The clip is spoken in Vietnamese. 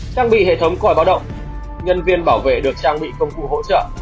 trang bị hệ thống còi báo động nhân viên bảo vệ được trang bị công cụ hỗ trợ